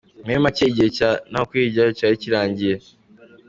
Muri make igihe cya Ntawukuriryayo cyari kirangiye.